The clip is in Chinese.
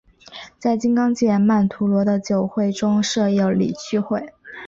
在金刚界曼荼罗的九会中设有理趣会。